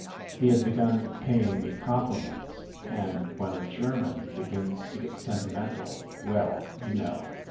He had begun paying me compliments, and when a German begins to get sentimental ‚ÄĒ well, you know